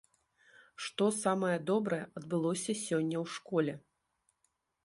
Што самае добрае адбылося сёння ў школе?